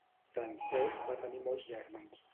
Francesc va tenir molts germans.